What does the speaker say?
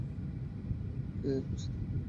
আমাদের এখন শীতঘুমে যেতে হবে।